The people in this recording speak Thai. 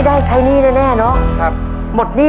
ภายในเวลา๓นาที